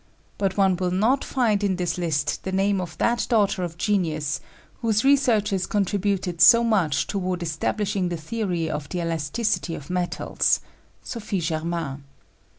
But one will not find in this list the name of that daughter of genius, whose researches contributed so much toward establishing the theory of the elasticity of metals, Sophie Germain.